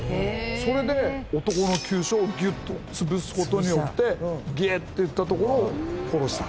それで男の急所をギュッと潰す事によってギエッていったところを殺した。